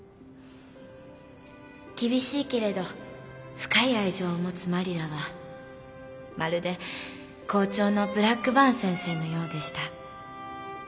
厳しいけれど深い愛情を持つマリラはまるで校長のブラックバーン先生のようでした。